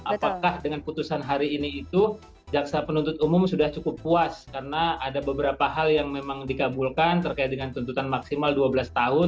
apakah dengan putusan hari ini itu jaksa penuntut umum sudah cukup puas karena ada beberapa hal yang memang dikabulkan terkait dengan tuntutan maksimal dua belas tahun